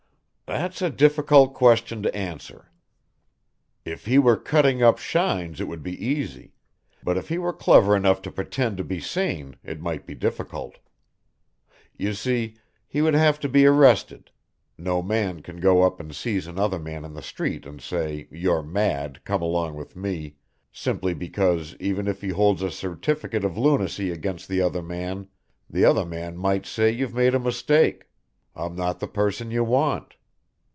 "That's a difficult question to answer. If he were cutting up shines it would be easy, but if he were clever enough to pretend to be sane it might be difficult. You see, he would have to be arrested, no man can go up and seize another man in the street and say: You're mad, come along with me, simply because, even if he holds a certificate of lunacy against the other man the other man might say you've made a mistake, I'm not the person you want.